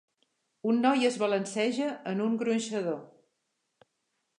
un noi es balanceja en un gronxador.